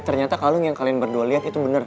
ternyata kalung yang kalian berdua liat itu bener